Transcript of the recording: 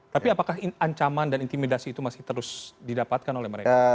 tapi apakah ancaman dan intimidasi itu masih terus didapatkan oleh mereka